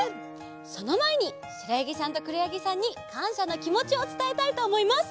そのまえにしろやぎさんとくろやぎさんにかんしゃのきもちをつたえたいとおもいます！